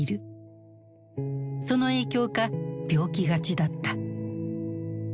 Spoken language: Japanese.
その影響か病気がちだった。